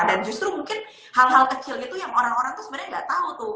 dan justru mungkin hal hal kecil itu yang orang orang itu sebenarnya tidak tahu tuh